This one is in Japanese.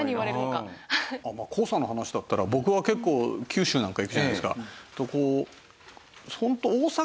まあ黄砂の話だったら僕は結構九州なんか行くじゃないですか。